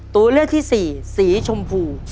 ตัวเลือกที่สี่สีชมพู